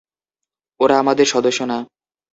ওরা আমাদের সদস্য না।